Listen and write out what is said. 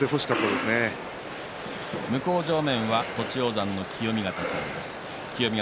向正面は栃煌山の清見潟さんです。